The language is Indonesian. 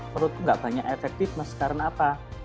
menurutku nggak banyak efektif mas karena apa